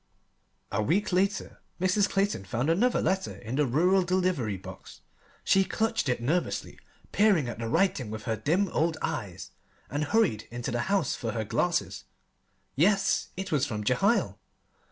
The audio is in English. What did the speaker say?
A week later Mrs. Clayton found another letter in the rural delivery box. She clutched it nervously, peered at the writing with her dim old eyes, and hurried into the house for her glasses. Yes, it was from Jehiel.